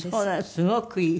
すごくいい。